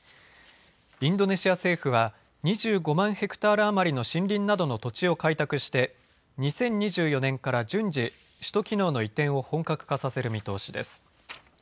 インドネシア政府は２５万ｈａ余りの森林などの土地を開拓して２０２４年から順次、首都機能の移転を本格化させる見通しです。